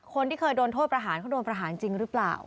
คนที่เคยโดนโทษประหารเขาโดนประหารจริงหรือเปล่า